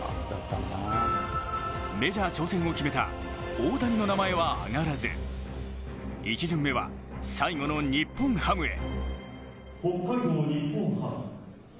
メジャー挑戦を決めた大谷の名前は挙がらず１巡目は最後の日本ハムへ。